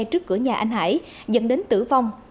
trước cửa nhà anh hải dẫn đến tử vong